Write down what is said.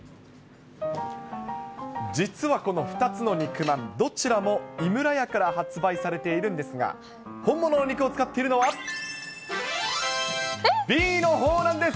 実はこの２つの肉まん、どちらも井村屋から発売されているんですが、本物の肉を使っているのは、Ｂのほうなんです。